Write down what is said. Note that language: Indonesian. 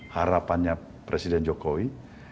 harapannya presiden jokowi